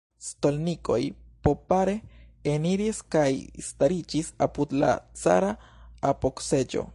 Stolnikoj popare eniris kaj stariĝis apud la cara apogseĝo.